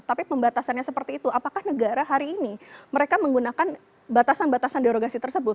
tapi pembatasannya seperti itu apakah negara hari ini mereka menggunakan batasan batasan derogasi tersebut